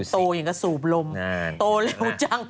โตอย่างกับสูบลมโตเร็วจัง